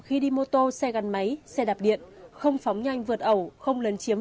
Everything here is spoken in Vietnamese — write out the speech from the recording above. khi đi mô tô xe gắn máy xe đạp điện không phóng nhanh vượt ẩu không lấn chiếm